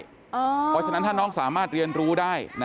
เพราะฉะนั้นถ้าน้องสามารถเรียนรู้ได้